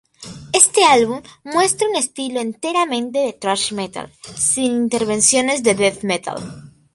Este álbum muestra un estilo enteramente de thrash metal, sin intervenciones de death metal.